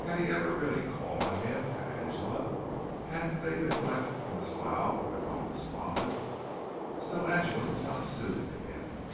Had he ever really called on Him? Had Angela? Hadn't they been left in the slough of their own despond? Still Angela was not suited to him.